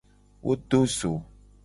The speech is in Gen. Wo do zo.